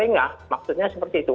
kelingah maksudnya seperti itu